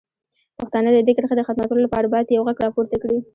پښتانه د دې کرښې د ختمولو لپاره باید یو غږ راپورته کړي.